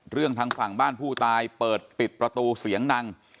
ทางฝั่งบ้านผู้ตายเปิดปิดประตูเสียงดัง